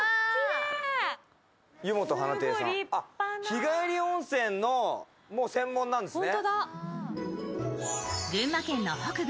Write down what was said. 日帰り温泉の専門なんですね。